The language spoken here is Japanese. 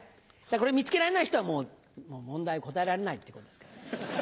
これ見つけられない人はもう問題答えられないってことですから。